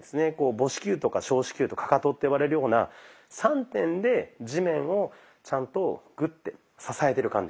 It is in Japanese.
母指球とか小指球とかかとって呼ばれるような３点で地面をちゃんとグッて支えてる感じです。